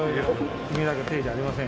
君だけのせいじゃありません。